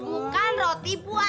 dengan sangat terpaksa